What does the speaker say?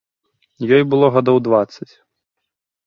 Ёй было гадоў дваццаць.